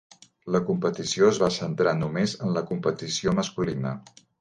La competició es va centrar només en la competició masculina.